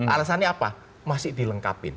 alasannya apa masih dilengkapin